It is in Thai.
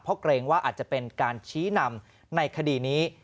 เพราะเกรงว่าอาจจะเป็นการชี้นำในคดีนี้